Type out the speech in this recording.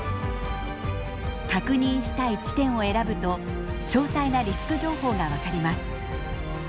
確認したい地点を選ぶと詳細なリスク情報が分かります。